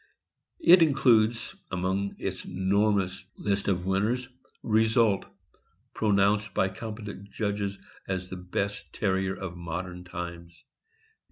It includes among its enormous list of winners Result, pronounced by competent judges the best Terrier of modern times.